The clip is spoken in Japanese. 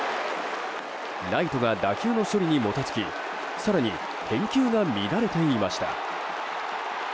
ライトが打球の処理にもたつき更に、返球が乱れていました。